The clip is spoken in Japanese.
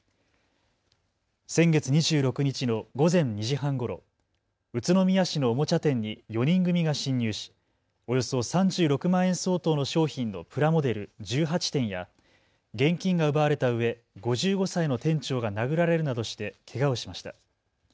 先月２６日の午前２時半ごろ、宇都宮市のおもちゃ店に４人組が侵入し、およそ３６万円相当の商品のプラモデル１８点や現金が奪われたうえ、５５歳の店長が殴られるなどしてけがをしました。